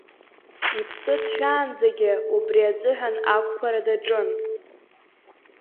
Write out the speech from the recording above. Иԥсы ҭшәаанӡагьы убри азыҳәан ақәԥара даҿын…